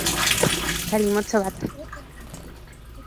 Kalimotxo bat.